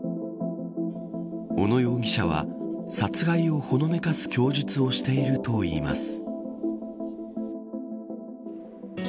小野容疑者は殺害をほのめかす供述をしているとしています。